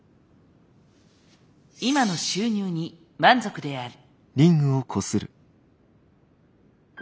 今の収入に満足である。